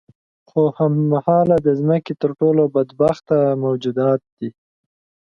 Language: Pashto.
خو هم مهاله د ځمکې تر ټولو بدبخته موجودات دي.